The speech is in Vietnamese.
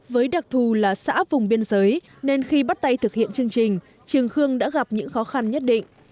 với đặc thù là xã vùng biên giới nên khi bắt tay thực hiện chương trình trường khương đã gặp những khó khăn nhất định